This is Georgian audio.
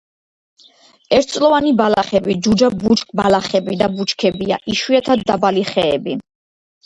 ერთწლოვანი ბალახები, ჯუჯა ბუჩქბალახები და ბუჩქებია, იშვიათად დაბალი ხეები.